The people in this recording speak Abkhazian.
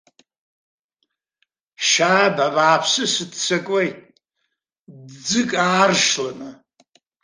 Шьааб, абааԥсы, сыццакуеит, ӡык ааршланы.